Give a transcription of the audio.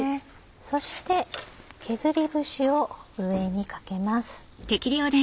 そして削り節を上にかけます。